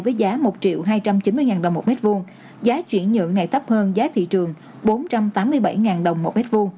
với giá một hai trăm chín mươi đồng một m hai giá chuyển nhượng này tấp hơn giá thị trường bốn trăm tám mươi bảy đồng một m hai